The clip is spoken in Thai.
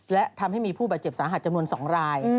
และทำให้มีผู้บาดเจ็บสาหัสจำนวน๒ราย